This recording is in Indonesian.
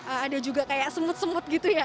ada juga kayak semut semut gitu ya